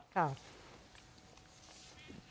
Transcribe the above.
ครับ